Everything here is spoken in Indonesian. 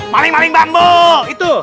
maling maling bambu itu